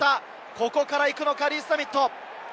ここから行くのか、リース＝ザミット。